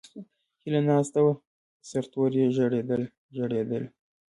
ھیلہ ناستہ وہ سر توریی ژڑیدلہ، ژڑیدلہ